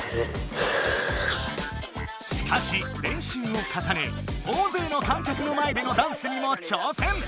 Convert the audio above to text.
しかし練習をかさね大ぜいの観客の前でのダンスにもちょうせん。